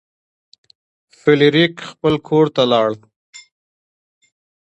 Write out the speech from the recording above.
فلیریک خپل کور ته لاړ.